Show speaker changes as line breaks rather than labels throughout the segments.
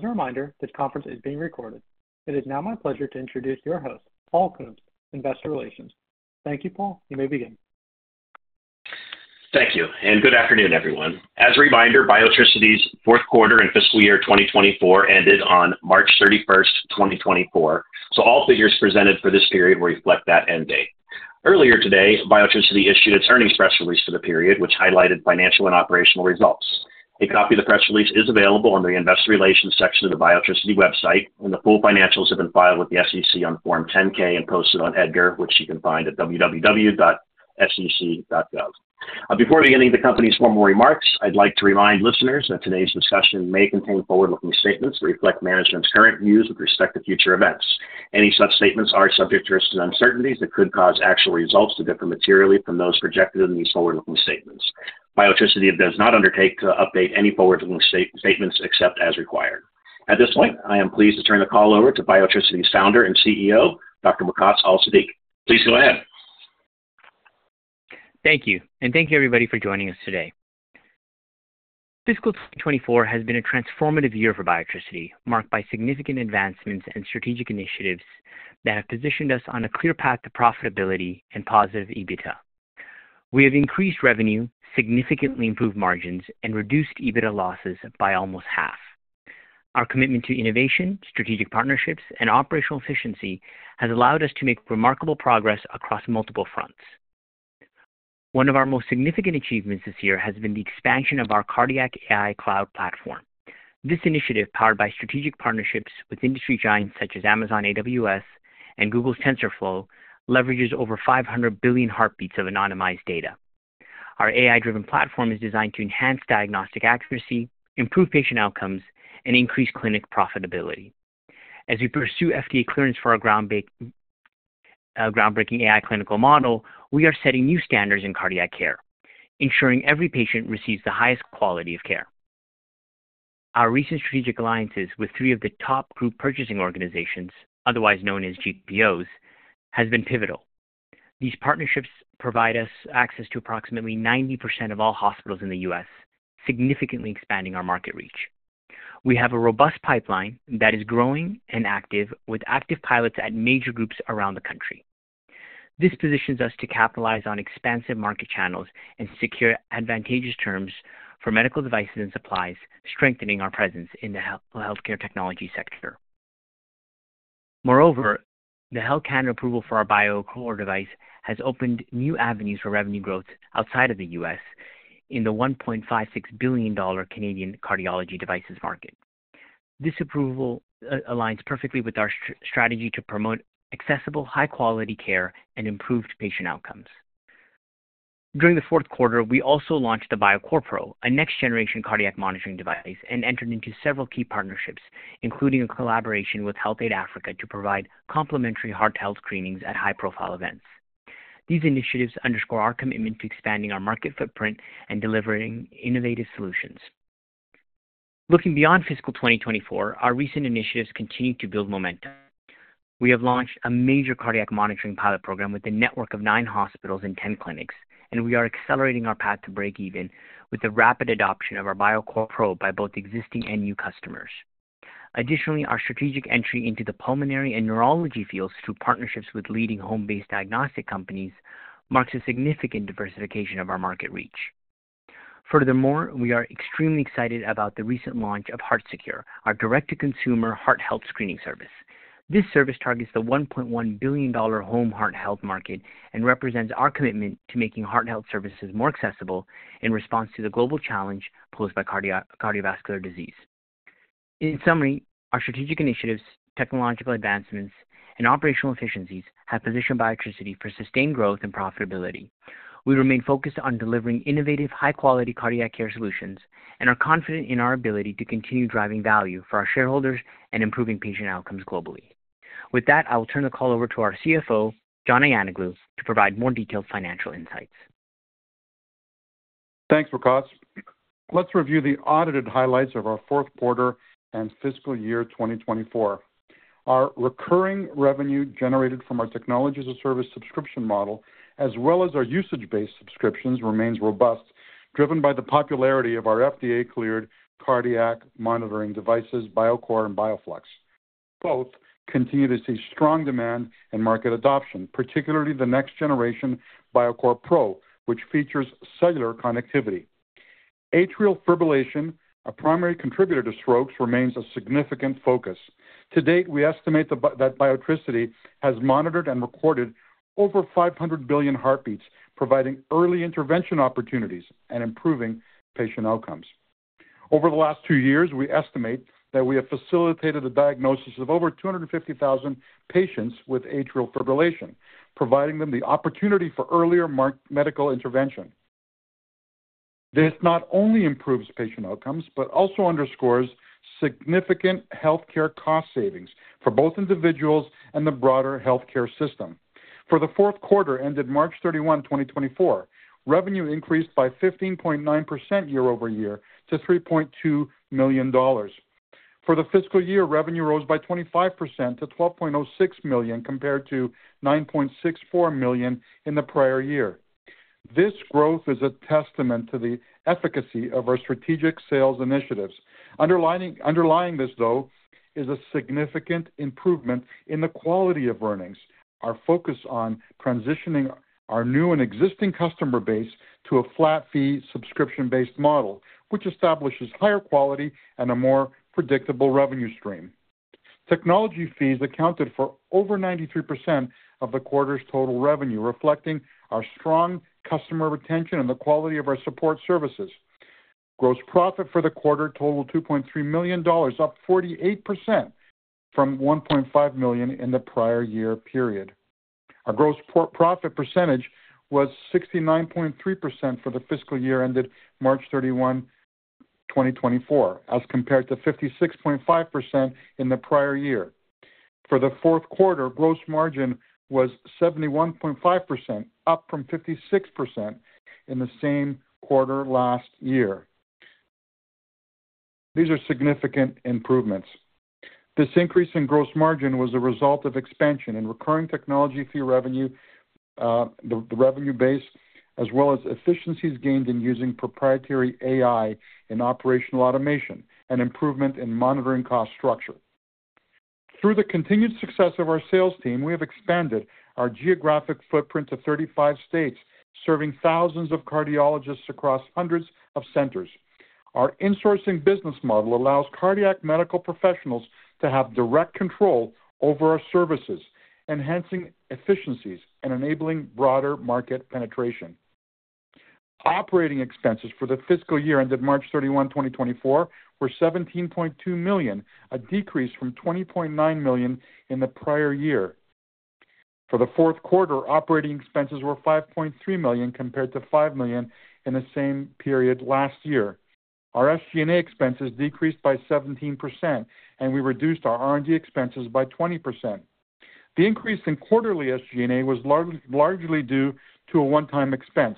...As a reminder, this conference is being recorded. It is now my pleasure to introduce your host, Paul Coombs, Investor Relations. Thank you, Paul. You may begin.
Thank you, and good afternoon, everyone. As a reminder, Biotricity's fourth quarter and fiscal year 2024 ended on March 31, 2024, so all figures presented for this period reflect that end date. Earlier today, Biotricity issued its earnings press release for the period, which highlighted financial and operational results. A copy of the press release is available on the Investor Relations section of the Biotricity website, and the full financials have been filed with the SEC on Form 10-K and posted on EDGAR, which you can find at www.sec.gov. Before beginning the company's formal remarks, I'd like to remind listeners that today's discussion may contain forward-looking statements that reflect management's current views with respect to future events. Any such statements are subject to risks and uncertainties that could cause actual results to differ materially from those projected in these forward-looking statements. Biotricity does not undertake to update any forward-looking statements except as required. At this point, I am pleased to turn the call over to Biotricity's founder and CEO, Waqaas Al-Siddiq. Please go ahead.
Thank you, and thank you, everybody, for joining us today. Fiscal 2024 has been a transformative year for Biotricity, marked by significant advancements and strategic initiatives that have positioned us on a clear path to profitability and positive EBITDA. We have increased revenue, significantly improved margins, and reduced EBITDA losses by almost half. Our commitment to innovation, strategic partnerships, and operational efficiency has allowed us to make remarkable progress across multiple fronts. One of our most significant achievements this year has been the expansion of our cardiac AI cloud platform. This initiative, powered by strategic partnerships with industry giants such as Amazon AWS and Google's TensorFlow, leverages over 500 billion heartbeats of anonymized data. Our AI-driven platform is designed to enhance diagnostic accuracy, improve patient outcomes, and increase clinic profitability. As we pursue FDA clearance for our groundbreaking AI clinical model, we are setting new standards in cardiac care, ensuring every patient receives the highest quality of care. Our recent strategic alliances with three of the top group purchasing organizations, otherwise known as GPOs, has been pivotal. These partnerships provide us access to approximately 90% of all hospitals in the U.S., significantly expanding our market reach. We have a robust pipeline that is growing and active, with active pilots at major groups around the country. This positions us to capitalize on expansive market channels and secure advantageous terms for medical devices and supplies, strengthening our presence in the healthcare technology sector. Moreover, the Health Canada approval for our BioCore device has opened new avenues for revenue growth outside of the U.S. in the $1.56 billion Canadian cardiology devices market. This approval aligns perfectly with our strategy to promote accessible, high-quality care and improved patient outcomes. During the fourth quarter, we also launched the BioCore Pro, a next-generation cardiac monitoring device, and entered into several key partnerships, including a collaboration with HealthAide Africa to provide complimentary heart health screenings at high-profile events. These initiatives underscore our commitment to expanding our market footprint and delivering innovative solutions. Looking beyond fiscal 2024, our recent initiatives continue to build momentum. We have launched a major cardiac monitoring pilot program with a network of nine hospitals and 10 clinics, and we are accelerating our path to break even with the rapid adoption of our BioCore Pro by both existing and new customers. Additionally, our strategic entry into the pulmonary and neurology fields through partnerships with leading home-based diagnostic companies marks a significant diversification of our market reach. Furthermore, we are extremely excited about the recent launch of HeartSecure, our direct-to-consumer heart health screening service. This service targets the $1.1 billion home heart health market and represents our commitment to making heart health services more accessible in response to the global challenge posed by cardiovascular disease. In summary, our strategic initiatives, technological advancements, and operational efficiencies have positioned Biotricity for sustained growth and profitability. We remain focused on delivering innovative, high-quality cardiac care solutions and are confident in our ability to continue driving value for our shareholders and improving patient outcomes globally. With that, I will turn the call over to our CFO, John Ayanoglou, to provide more detailed financial insights.
Thanks, Waqaas. Let's review the audited highlights of our fourth quarter and fiscal year 2024. Our recurring revenue generated from our technology as a service subscription model, as well as our usage-based subscriptions, remains robust, driven by the popularity of our FDA-cleared cardiac monitoring devices, BioCore and BioFlux. Both continue to see strong demand and market adoption, particularly the next generation, BioCore Pro, which features cellular connectivity. Atrial fibrillation, a primary contributor to strokes, remains a significant focus. To date, we estimate that Biotricity has monitored and recorded over 500 billion heartbeats, providing early intervention opportunities and improving patient outcomes. Over the last two years, we estimate that we have facilitated the diagnosis of over 250,000 patients with atrial fibrillation, providing them the opportunity for earlier medical intervention. This not only improves patient outcomes, but also underscores significant healthcare cost savings for both individuals and the broader healthcare system. For the fourth quarter, ended March 31, 2024, revenue increased by 15.9% year-over-year to $3.2 million. For the fiscal year, revenue rose by 25% to $12.06 million, compared to $9.64 million in the prior year.... This growth is a testament to the efficacy of our strategic sales initiatives. Underlying this, though, is a significant improvement in the quality of earnings. Our focus on transitioning our new and existing customer base to a flat fee, subscription-based model, which establishes higher quality and a more predictable revenue stream. Technology fees accounted for over 93% of the quarter's total revenue, reflecting our strong customer retention and the quality of our support services. Gross profit for the quarter totaled $2.3 million, up 48% from $1.5 million in the prior year period. Our gross profit percentage was 69.3% for the fiscal year ended March 31, 2024, as compared to 56.5% in the prior year. For the fourth quarter, gross margin was 71.5%, up from 56% in the same quarter last year. These are significant improvements. This increase in gross margin was a result of expansion in recurring technology fee revenue, the revenue base, as well as efficiencies gained in using proprietary AI in operational automation and improvement in monitoring cost structure. Through the continued success of our sales team, we have expanded our geographic footprint to 35 states, serving thousands of cardiologists across hundreds of centers. Our insourcing business model allows cardiac medical professionals to have direct control over our services, enhancing efficiencies and enabling broader market penetration. Operating expenses for the fiscal year ended March 31, 2024, were $17.2 million, a decrease from $20.9 million in the prior year. For the fourth quarter, operating expenses were $5.3 million, compared to $5 million in the same period last year. Our SG&A expenses decreased by 17%, and we reduced our R&D expenses by 20%. The increase in quarterly SG&A was largely due to a one-time expense.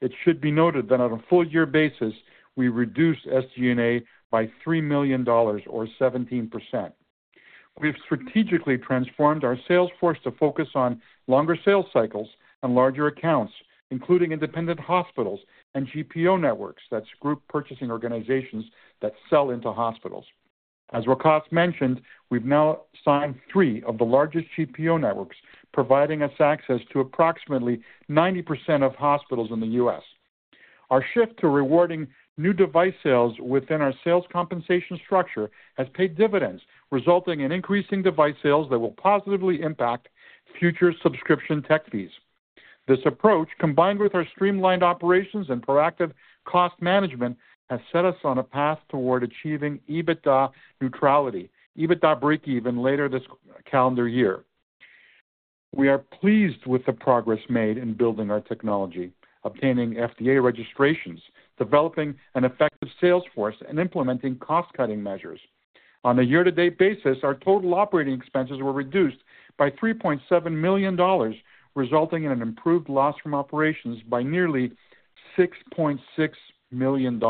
It should be noted that on a full year basis, we reduced SG&A by $3 million, or 17%. We've strategically transformed our sales force to focus on longer sales cycles and larger accounts, including independent hospitals and GPO networks. That's group purchasing organizations that sell into hospitals. As Waqaas mentioned, we've now signed 3 of the largest GPO networks, providing us access to approximately 90% of hospitals in the U.S. Our shift to rewarding new device sales within our sales compensation structure has paid dividends, resulting in increasing device sales that will positively impact future subscription tech fees. This approach, combined with our streamlined operations and proactive cost management, has set us on a path toward achieving EBITDA neutrality, EBITDA breakeven later this calendar year. We are pleased with the progress made in building our technology, obtaining FDA registrations, developing an effective sales force, and implementing cost-cutting measures. On a year-to-date basis, our total operating expenses were reduced by $3.7 million, resulting in an improved loss from operations by nearly $6.6 million.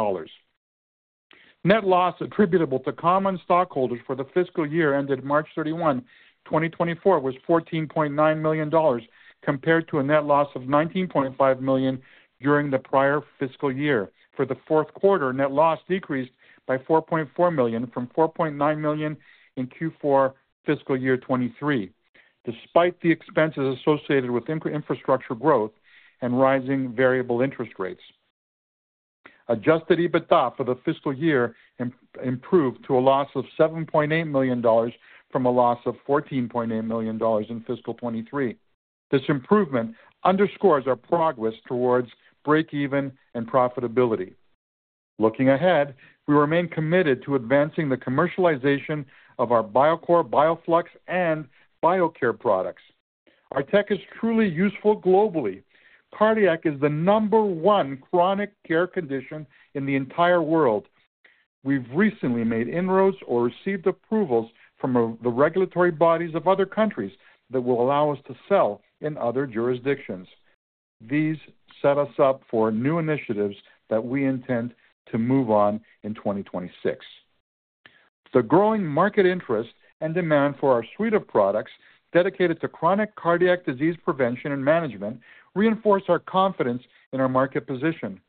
Net loss attributable to common stockholders for the fiscal year ended March 31, 2024, was $14.9 million, compared to a net loss of $19.5 million during the prior fiscal year. For the fourth quarter, net loss decreased by $4.4 million from $4.9 million in Q4 fiscal year 2023, despite the expenses associated with infrastructure growth and rising variable interest rates. Adjusted EBITDA for the fiscal year improved to a loss of $7.8 million from a loss of $14.8 million in fiscal 2023. This improvement underscores our progress towards break even and profitability. Looking ahead, we remain committed to advancing the commercialization of our BioCore, BioFlux, and BioCare products. Our tech is truly useful globally. Cardiac is the number one chronic care condition in the entire world. We've recently made inroads or received approvals from the regulatory bodies of other countries that will allow us to sell in other jurisdictions. These set us up for new initiatives that we intend to move on in 2026. The growing market interest and demand for our suite of products dedicated to chronic cardiac disease prevention and management reinforce our confidence in our market position.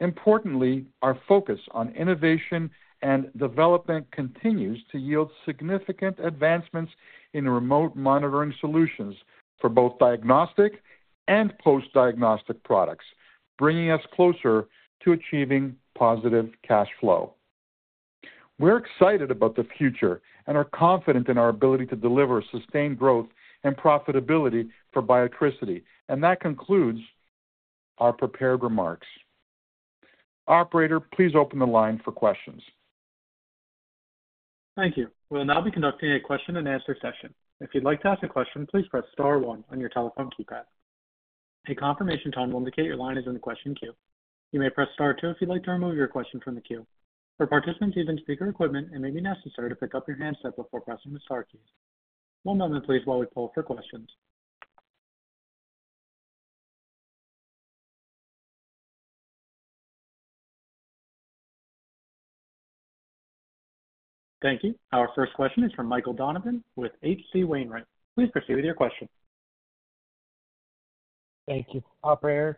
Importantly, our focus on innovation and development continues to yield significant advancements in remote monitoring solutions for both diagnostic and post-diagnostic products, bringing us closer to achieving positive cash flow. We're excited about the future and are confident in our ability to deliver sustained growth and profitability for Biotricity, and that concludes our prepared remarks. Operator, please open the line for questions.
Thank you. We'll now be conducting a question-and-answer session. If you'd like to ask a question, please press star one on your telephone keypad. A confirmation tone will indicate your line is in the question queue. You may press Star two if you'd like to remove your question from the queue. For participants using speaker equipment, it may be necessary to pick up your handset before pressing the star key. One moment, please, while we pull for questions. Thank you. Our first question is from Michael Donovan with H.C. Wainwright. Please proceed with your question.
Thank you, operator,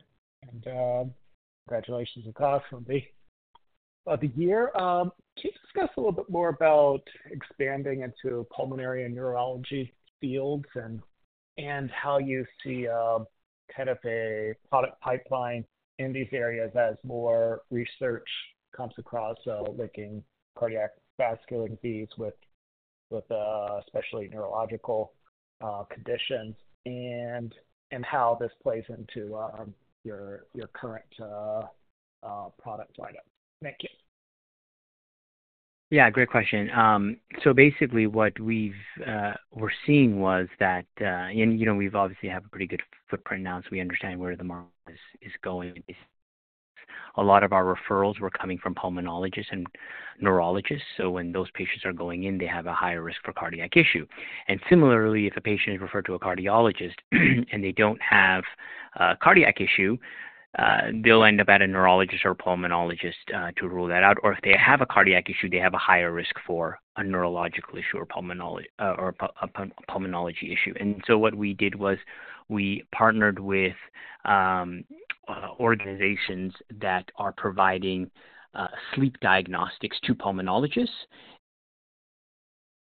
and congratulations, Waqaas, on the of the year. Can you discuss a little bit more about expanding into pulmonary and neurology fields and how you see kind of a product pipeline in these areas as more research comes across linking cardiac vascular disease with especially neurological conditions and how this plays into your current product lineup? Thank you.
Yeah, great question. So basically what we're seeing was that, and, you know, we've obviously have a pretty good footprint now, so we understand where the market is going. A lot of our referrals were coming from pulmonologists and neurologists. So when those patients are going in, they have a higher risk for cardiac issue. And similarly, if a patient is referred to a cardiologist, and they don't have a cardiac issue, they'll end up at a neurologist or a pulmonologist to rule that out. Or if they have a cardiac issue, they have a higher risk for a neurological issue or pulmonology or a pulmonology issue. And so what we did was we partnered with organizations that are providing sleep diagnostics to pulmonologists.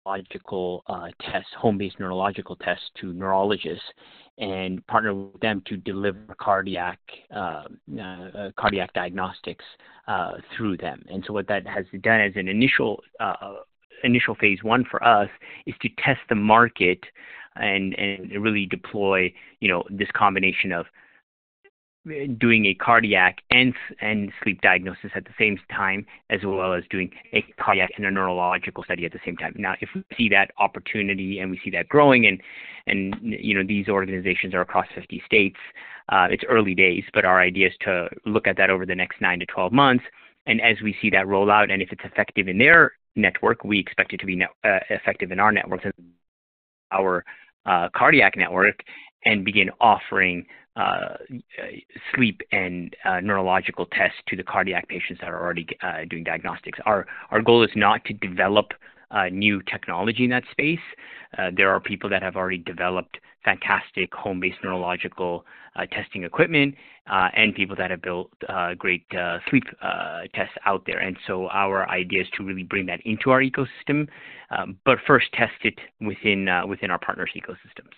Neurological tests, home-based neurological tests to neurologists, and partnered with them to deliver cardiac diagnostics through them. So what that has done as an initial phase one for us is to test the market and really deploy, you know, this combination of doing a cardiac and sleep diagnosis at the same time, as well as doing a cardiac and a neurological study at the same time. Now, if we see that opportunity and we see that growing and, you know, these organizations are across 50 states, it's early days, but our idea is to look at that over the next 9 to 12 months. As we see that roll out and if it's effective in their network, we expect it to be net effective in our network, as our cardiac network, and begin offering sleep and neurological tests to the cardiac patients that are already doing diagnostics. Our goal is not to develop new technology in that space. There are people that have already developed fantastic home-based neurological testing equipment, and people that have built great sleep tests out there. So our idea is to really bring that into our ecosystem, but first test it within our partners' ecosystems.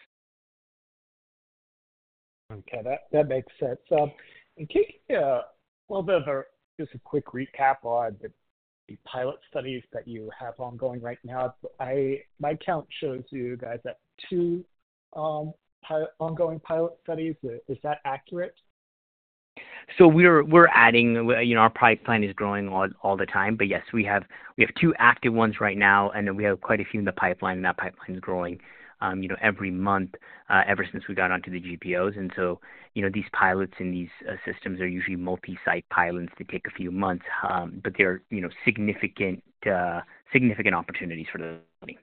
Okay, that, that makes sense. So can you give a little bit of a just a quick recap on the pilot studies that you have ongoing right now. My count shows you guys have two pilot ongoing pilot studies. Is, is that accurate?
So we're adding. You know, our pipeline is growing all the time, but yes, we have two active ones right now, and then we have quite a few in the pipeline, and that pipeline is growing, you know, every month, ever since we got onto the GPOs. And so, you know, these pilots and these systems are usually multi-site pilots. They take a few months, but they're, you know, significant opportunities for the company.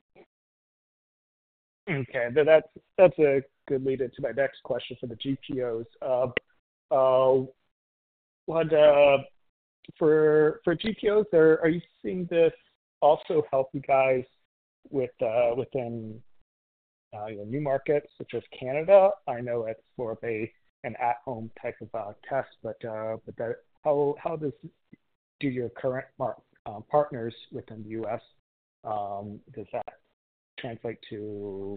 Okay, then that's a good lead into my next question for the GPOs. What for GPOs are you seeing this also help you guys with within your new markets, such as Canada? I know it's more of an at-home type of test, but but there... How does your current partners within the U.S. does that translate to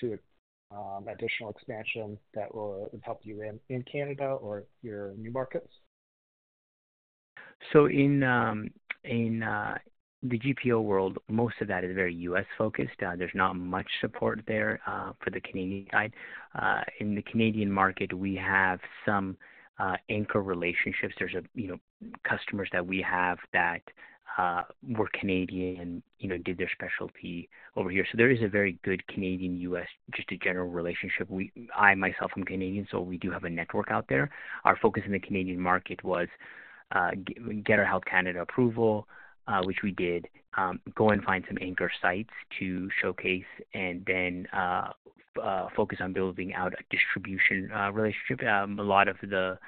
additional expansion that will help you in Canada or your new markets?
So in the GPO world, most of that is very U.S.-focused. There's not much support there for the Canadian side. In the Canadian market, we have some anchor relationships. There's, you know, customers that we have that were Canadian, you know, did their specialty over here. So there is a very good Canadian-U.S., just a general relationship. I myself am Canadian, so we do have a network out there. Our focus in the Canadian market was get our Health Canada approval, which we did go and find some anchor sites to showcase and then focus on building out a distribution relationship. A lot of the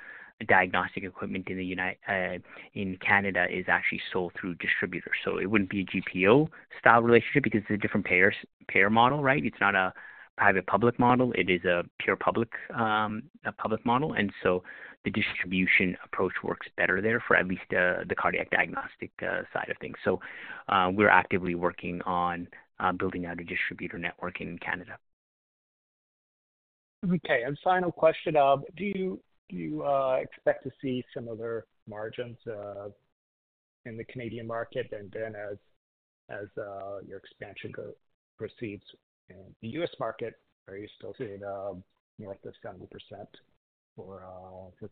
diagnostic equipment in Canada is actually sold through distributors. So it wouldn't be a GPO-style relationship because it's a different payers, payer model, right? It's not a private-public model. It is a pure public, a public model. And so the distribution approach works better there for at least, the cardiac diagnostic, side of things. So, we're actively working on, building out a distributor network in Canada.
Okay, final question. Do you expect to see similar margins in the Canadian market and then as your expansion proceeds in the U.S. market? Are you still seeing, like the 70% for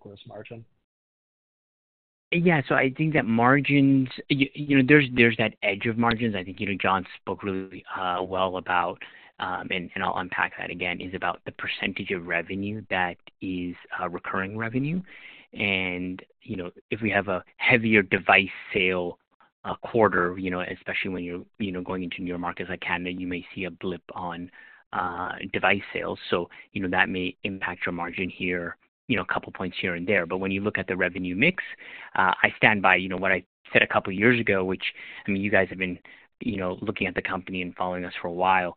gross margin?
Yeah. So I think that margins... you know, there's that edge of margins. I think, you know, John spoke really well about, and I'll unpack that again, is about the percentage of revenue that is recurring revenue. And, you know, if we have a heavier device sale quarter, you know, especially when you're going into new markets like Canada, you may see a blip on device sales. So, you know, that may impact your margin here, you know, a couple of points here and there. But when you look at the revenue mix. I stand by, you know, what I said a couple of years ago, which, I mean, you guys have been looking at the company and following us for a while.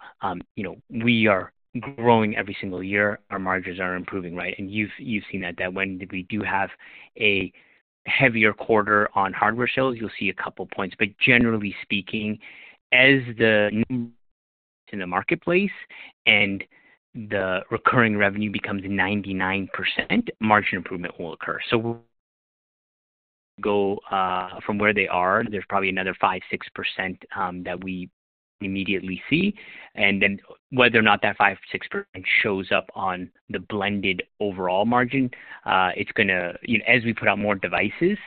You know, we are growing every single year. Our margins are improving, right? You've seen that when we do have a heavier quarter on hardware sales, you'll see a couple points. But generally speaking, as in the marketplace and the recurring revenue becomes 99%, margin improvement will occur. So from where they are, there's probably another 5-6% that we immediately see. And then whether or not that 5-6% shows up on the blended overall margin, it's gonna. You know, as we put out more devices,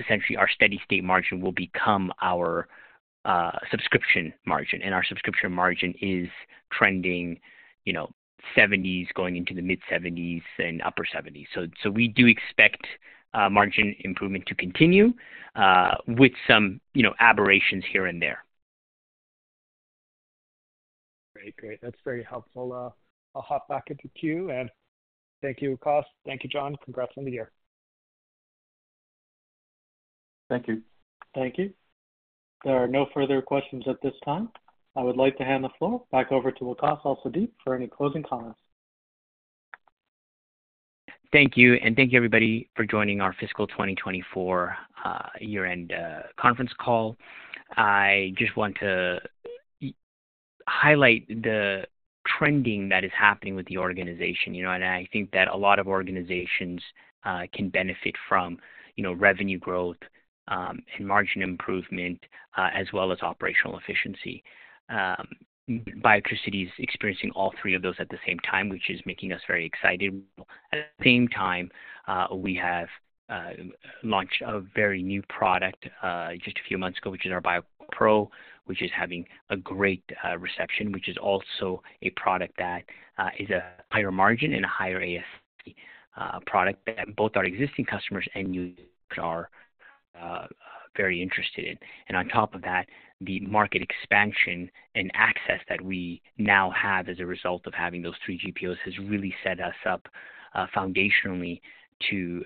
essentially our steady state margin will become our subscription margin, and our subscription margin is trending, you know, 70s, going into the mid-70s and upper 70s. So we do expect margin improvement to continue with some, you know, aberrations here and there.
Great. Great. That's very helpful. I'll hop back into queue, and thank you, Waqaas. Thank you, John. Congrats on the year.
Thank you.
Thank you. There are no further questions at this time. I would like to hand the floor back over to Waqaas Al-Siddiq for any closing comments.
Thank you, and thank you, everybody, for joining our fiscal 2024 year-end conference call. I just want to highlight the trending that is happening with the organization, you know, and I think that a lot of organizations can benefit from, you know, revenue growth, and margin improvement, as well as operational efficiency. Biotricity is experiencing all three of those at the same time, which is making us very excited. At the same time, we have launched a very new product just a few months ago, which is our BioCore Pro, which is having a great reception, which is also a product that is a higher margin and a higher ASP product that both our existing customers and new are very interested in. On top of that, the market expansion and access that we now have as a result of having those three GPOs has really set us up foundationally to,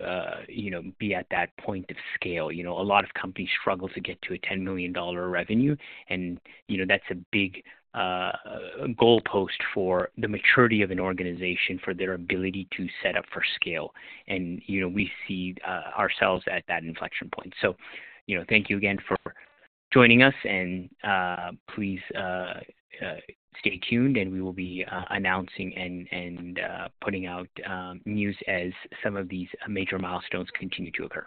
you know, be at that point of scale. You know, a lot of companies struggle to get to a $10 million revenue, and, you know, that's a big goalpost for the maturity of an organization, for their ability to set up for scale. And, you know, we see ourselves at that inflection point. So, you know, thank you again for joining us and, please, stay tuned, and we will be announcing and putting out news as some of these major milestones continue to occur.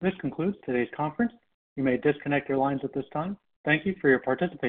This concludes today's conference. You may disconnect your lines at this time. Thank you for your participation.